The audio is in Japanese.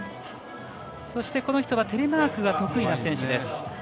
そして、この人はテレマークが得意な選手です。